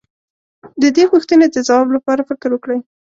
د دې پوښتنې د ځواب لپاره فکر وکړئ.